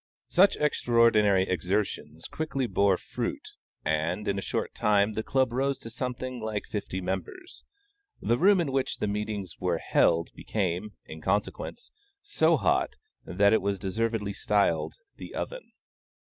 Such extraordinary exertions quickly bore fruit, and, in a short time the Club rose to something like fifty members. The room in which the meetings were held became, in consequence, so hot, that it was deservedly styled "the oven."